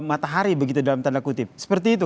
matahari begitu dalam tanda kutip seperti itu